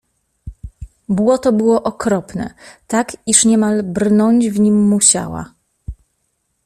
Błoto było okropne — tak, iż niemal brnąć w nim musiała.